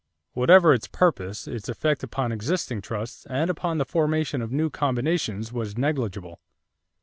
Whatever its purpose, its effect upon existing trusts and upon the formation of new combinations was negligible.